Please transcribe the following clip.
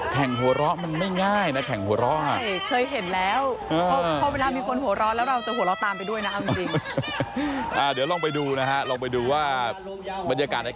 แข่งหัวเราะมันไม่ง่ายนะแข่งหัวเราะเคยเห็นแล้วเพราะเวลามีคนหัวเราะแล้วเราจะหัวเราะตามไปด้วยนะครับปีน